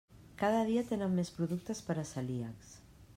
Cada dia tenen més productes per a celíacs.